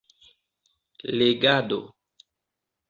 legado